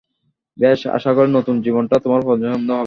বেশ, আশা করি নতুন জীবনটা তোমার পছন্দ হবে।